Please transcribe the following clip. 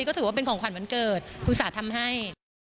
ก็ถือว่าเป็นของขวัญวันเกิดอุตส่าห์ทำให้